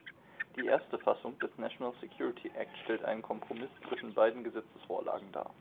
Die erste Fassung des National Security Act stellte einen Kompromiss zwischen beiden Gesetzesvorlagen dar.